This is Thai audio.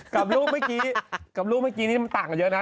กับรูปเมื่อกี้ต่างกันเยอะนะ